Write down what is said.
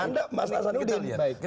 anda mas hasanudin